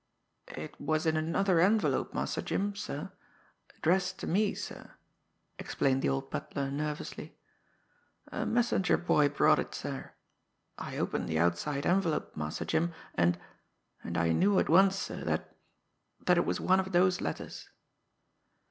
"It was in another envelope, Master Jim, sir addressed to me, sir," explained the old butler nervously. "A messenger boy brought it, sir. I opened the outside envelope, Master Jim, and and I knew at once, sir, that that it was one of those letters."